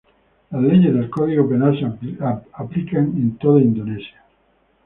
Las leyes del Código Penal se aplican en toda Indonesia.